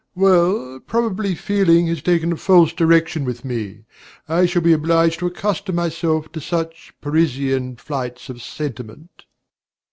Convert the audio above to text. Well, probably feeling has taken a false direction with me. I shall be obliged to accustom myself to such Parisian flights of sentiment.